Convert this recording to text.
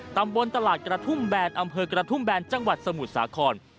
ตำบลตลาดกระทุ่มแบนอำเภอกระทุ่มแบนจังหวัดสมุทรสาคร